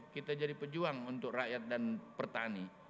kita jadi pejuang untuk rakyat dan pertani